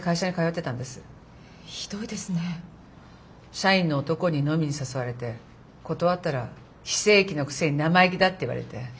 社員の男に飲みに誘われて断ったら非正規のくせに生意気だって言われて。